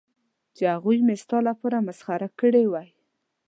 چې هغوی مې ستا لپاره مسخره کړې وای.